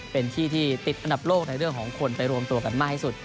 เป็นที่ที่ติดอันดับโลกในเรื่องของคนไปรวมตัวกันมากที่สุด